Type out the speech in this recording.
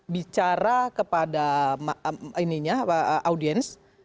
bicara kepada audiens